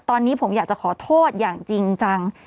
ตอนนี้ผมอยากจะขอโทษอย่างจริงจัง